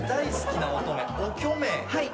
はい。